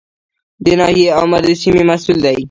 د ناحیې آمر د سیمې مسوول دی